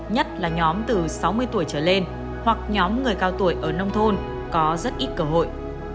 nhất là nhóm từ sáu mươi tuổi trở lên hoặc nhóm người cao tuổi ở nông thôn có rất ít cơ hội